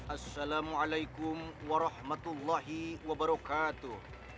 assalamualaikum warahmatullahi wabarakatuh